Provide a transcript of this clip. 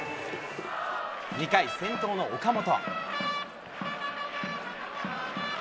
２回、先頭の岡本。